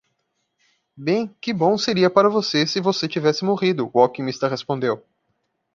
"Bem? que bom seria para você se você tivesse morrido " o alquimista respondeu.